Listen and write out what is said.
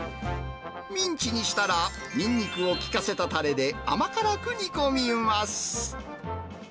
ミンチにしたら、ニンニクを効かせたたれで甘辛く煮込みます。